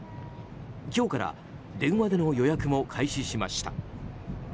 今日から電話での予約も開始しました。